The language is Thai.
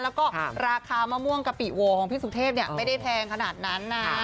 แล้วก็ราคามะม่วงกะปิโวของพี่สุเทพไม่ได้แพงขนาดนั้นนะ